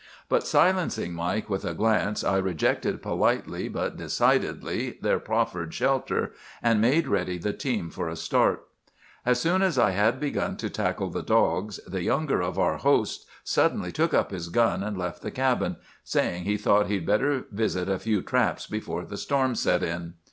"But silencing Mike with a glance, I rejected politely, but decidedly, their proffered shelter, and made ready the team for a start. "As soon as I had begun to tackle the dogs, the younger of our hosts suddenly took up his gun and left the cabin, saying he thought he'd better visit a few traps before the storm set in.